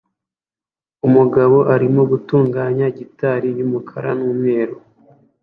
Umugabo arimo gutunganya gitari y'umukara n'umweru